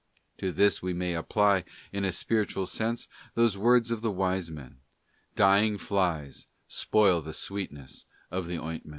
To this we may apply in a spiritual sense those words of the Wise Man: 'Dying flies spoil the sweetness of the oint ment.